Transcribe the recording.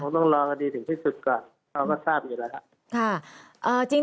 ต้องรอคดีถึงที่สุดก่อนเขาก็ทราบอยู่แล้วครับ